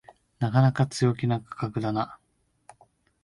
なかなか強気な価格だな